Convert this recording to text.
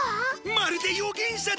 まるで予言者だぜ！